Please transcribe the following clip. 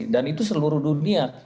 dan itu seluruh dunia